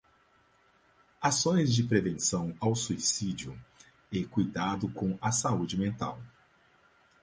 Ações de prevenção ao suicídio e cuidado com a saúde mental